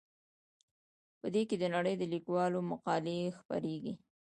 په دې کې د نړۍ د لیکوالو مقالې خپریږي.